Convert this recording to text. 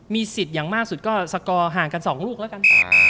สิทธิ์อย่างมากสุดก็สกอร์ห่างกัน๒ลูกแล้วกัน